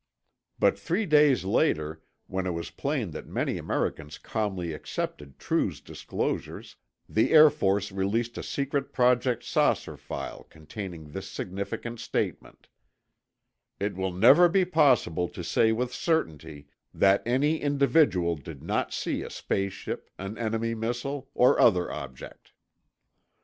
But three days later, when it was plain that many Americans calmly accepted True's disclosures, the Air Force released a secret project "Saucer" file containing this significant statement: "It will never be possible to say with certainty that any individual did not see a space ship, an enemy missile or other object."